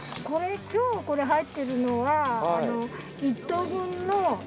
これ今日入ってるのは１頭分の。